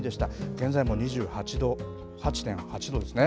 現在も２８．８度ですね。